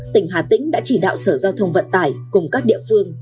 tỉnh hà tĩnh đã chỉ đạo sở giao thông vận tải cùng các địa phương